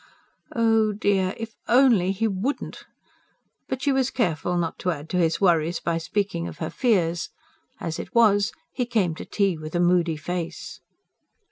Oh dear! If only he wouldn't. But she was careful not to add to his worries by speaking of her fears. As it was, he came to tea with a moody face.